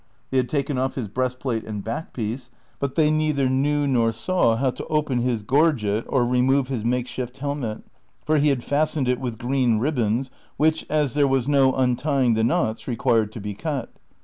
They had taken off his breastplate and backpiece,' but they neither knew nor saw how to open his gorget or remove his make shift helmet, for he had fastened it with green ribbons, which, as there was no untying the knots, required to be cut.